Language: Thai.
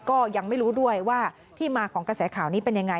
ก็ยังไม่รู้ด้วยว่าที่มาของกระแสข่าวนี้เป็นยังไง